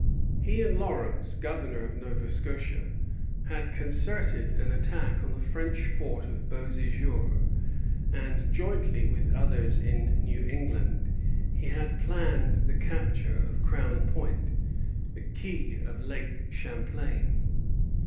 He and Lawrence, governor of Nova Scotia, had concerted an attack on the French fort of Beauséjour; and, jointly with others in New England, he had planned the capture of Crown Point, the key of Lake Champlain.